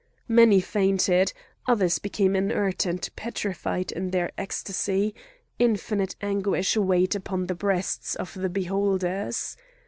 Many fainted; others became inert and petrified in their ecstasy. Infinite anguish weighed upon the breasts of the beholders.